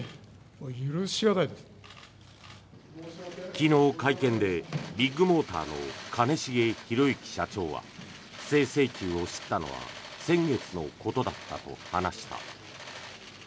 昨日、会見でビッグモーターの兼重宏行社長は不正請求を知ったのは先月のことだったと話した。